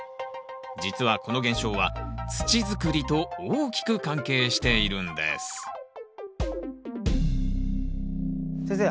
実はこの現象は土づくりと大きく関係しているんです先生